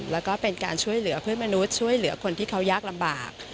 แล้วก็เป็นการช่วยเหลือเพื่อนมนุษย์ช่วยเหลือคนที่เขายากลำบาก